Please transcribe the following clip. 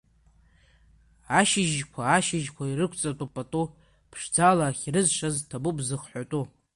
Ашьыжьқәа, ашьыжьқәа ирықәҵатәуп пату, ԥшӡала ахьрызшаз ҭабуп зыхҳәаатәу.